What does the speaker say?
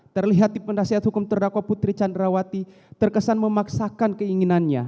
terlihat di penasihat hukum terdakwa putri candrawati terkesan memaksakan keinginannya